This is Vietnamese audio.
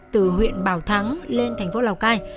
từ huyện bào thắng lên thành phố lào cai